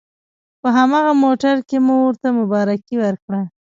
په هماغه موټر کې مو ورته مبارکي ورکړه.